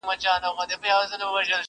چي پر سر د دې غريب دئ كښېنستلى!!